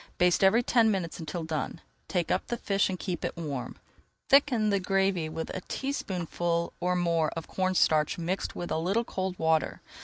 Baste every ten minutes until done. Take up the fish and keep it warm. Thicken the gravy with a teaspoonful or more of cornstarch mixed with a little cold water.